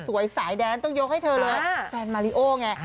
สายแดนต้องยกให้เธอเลยแฟนมาริโอไง